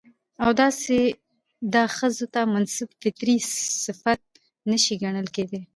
او داسې دا ښځو ته منسوب فطري صفت نه شى ګڼل کېداى.